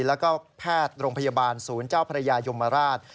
แล้วก็แพทย์โรงพยาบาลศูนย์เจ้าพระยายมราช